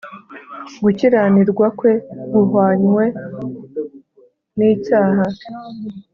gukiranirwa kwe guhwanywe n icyaha